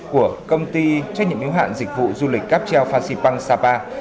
của công ty trách nhiệm yếu hạn dịch vụ du lịch cáp treo phan xipang sapa